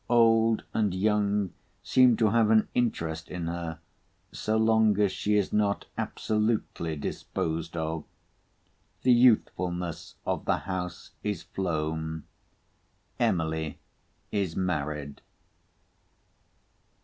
Old and young seem to have an interest in her, so long as she is not absolutely disposed of. The youthfulness of the house is flown. Emily is married.